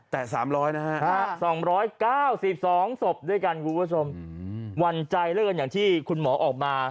แต่สามร้อยนะฮะสองร้อยเก้าสี่สองสบด้วยกันคุณผู้ชมอืมวันใจเรื่องอย่างที่คุณหมอออกมา